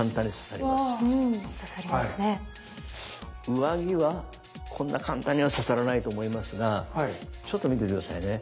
上着はこんな簡単には刺さらないと思いますがちょっと見てて下さいね。